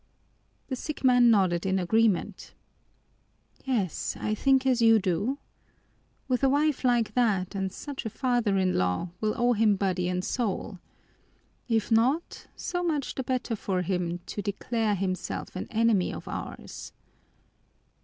The sick man nodded in agreement. "Yes, I think as you do. With a wife like that and such a father in law, we'll own him body and soul. If not, so much the better for him to declare himself an enemy of ours."